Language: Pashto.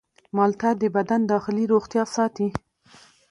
مالټه د بدن داخلي روغتیا ساتي.